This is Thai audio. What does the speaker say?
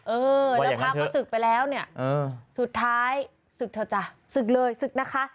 เออแล้วพระก็ศึกไปแล้วเนี่ยสุดท้ายศึกเถอะจ้ะศึกเลยศึกนะคะ